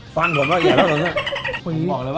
ฟังผมว่าเอียดแล้วล่ะ